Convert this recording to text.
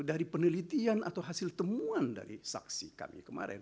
dari penelitian atau hasil temuan dari saksi kami kemarin